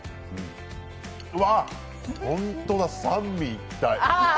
うわ、ホントだ三位一体。